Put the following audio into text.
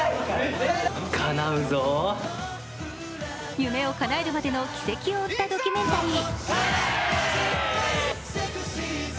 夢をかなえるまでの軌跡を追ったドキュメンタリー。